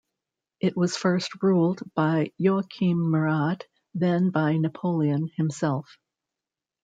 It was first ruled by Joachim Murat, then by Napoleon himself.